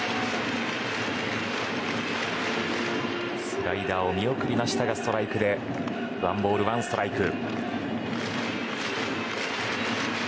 スライダーを見送りましたがストライクでワンボール、ワンストライク。